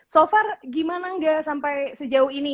sejarah gitu angga sampai sejauh ini